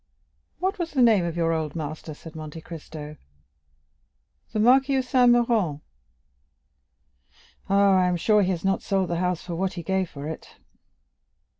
"What was the name of your old master?" said Monte Cristo. "The Marquis of Saint Méran. Ah, I am sure he has not sold the house for what he gave for it."